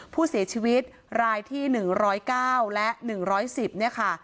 ผู้เสียชีวิตรายที่๑๐๙และ๑๑๐เนี่ยค่ะ